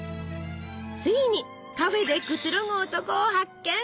ついにカフェでくつろぐ男を発見！